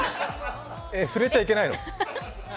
触れちゃいけないの？